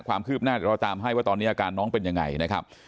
ความคืบหน้าเดี๋ยวเราตามให้ว่าตอนนี้อาการน้องเป็นยังไงนะครับ